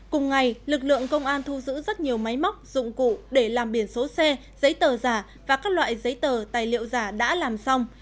cùng ngày lực lượng công an thu giữ rất nhiều máy móc dụng cụ để làm biển số xe giấy tờ giả và các loại giấy tờ tài liệu giả đã làm xong